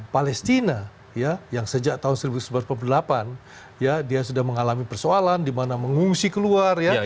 palestina ya yang sejak tahun seribu sembilan ratus empat puluh delapan ya dia sudah mengalami persoalan di mana mengungsi keluar ya